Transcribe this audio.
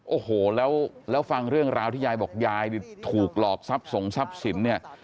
โอ้โหแล้วฟังเรื่องราวที่ยายบอกยายถูกหลอกทรัพย์ส่งทรัพย์สินเนี่ย